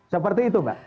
seperti itu mbak